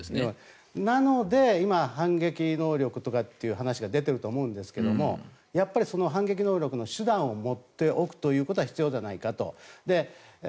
なので、今反撃能力とかという話が出ていると思いますがやっぱりその反撃能力の手段を持っておくのは必要じゃないかと。